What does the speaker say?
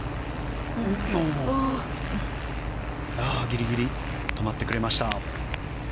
ギリギリ止まってくれました。